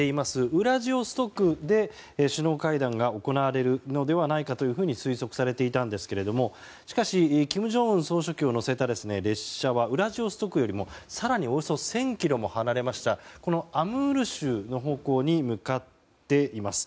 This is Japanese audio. ウラジオストクで首脳会談が行われるのではないかと推測されていたんですけどもしかし金正恩総書記を乗せた列車はウラジオストクよりも更に、およそ１０００ｋｍも離れましたアムール州の方向に向かっています。